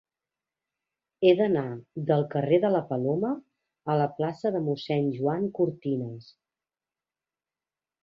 He d'anar del carrer de la Paloma a la plaça de Mossèn Joan Cortinas.